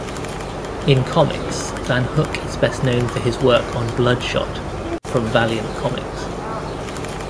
In comics, VanHook is best known for his work on "Bloodshot" from Valiant Comics.